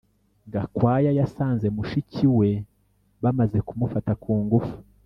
Gakwaya yasanze mushiki we bamaze kumufata kungufu